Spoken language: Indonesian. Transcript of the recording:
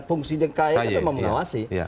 fungsinya ky memang mengawasi